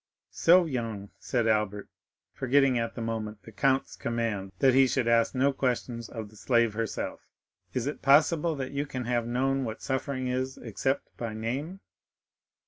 "So young," said Albert, forgetting at the moment the Count's command that he should ask no questions of the slave herself, "is it possible that you can have known what suffering is except by name?"